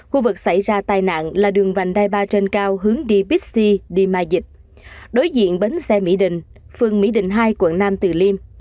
khu vực xảy ra tai nạn là đường vành đai ba trên cao hướng đi pixi đi ma dịch đối diện bến xe mỹ đình phường mỹ đình hai quận nam từ liêm